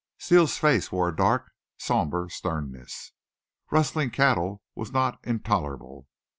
Steele's face wore a dark, somber sternness. Rustling cattle was not intolerable.